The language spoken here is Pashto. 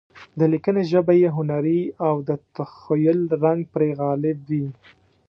د لیکنې ژبه یې هنري او د تخیل رنګ پرې غالب وي.